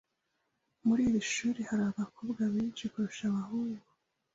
Muri iri shuri hari abakobwa benshi kurusha abahungu.